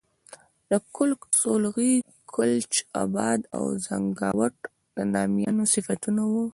د کُلک، سولغی، کلچ آباد او زنګاوات د نامیانو صفتونه وو.